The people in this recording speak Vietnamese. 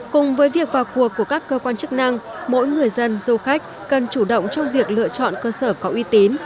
cùng với việc vào cuộc của các cơ quan chức năng mỗi người dân du khách cần chủ động trong việc lựa chọn cơ sở có uy tín